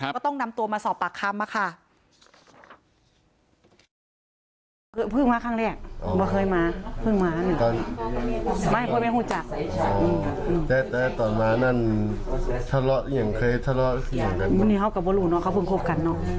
ก็ต้องนำตัวมาสอบปากคำค่ะ